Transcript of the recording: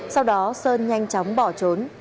sau đó sơn nhanh chóng bỏ trốn